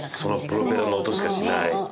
そのプロペラの音しかしない。